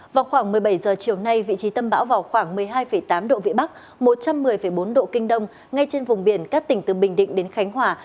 vào khoảng một mươi bảy h chiều nay vị trí tâm bão vào khoảng một mươi hai tám độ vĩ bắc một trăm một mươi bốn độ kinh đông ngay trên vùng biển các tỉnh từ bình định đến khánh hòa